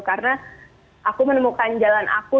karena aku menemukan jalan aku